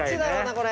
これ。